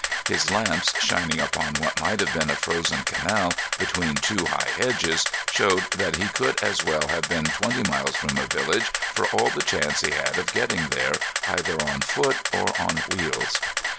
His lamps, shining upon what might have been a frozen canal between two high hedges, showed that he could as well have been twenty miles from a village for all chance he had of getting there either on foot or on wheels.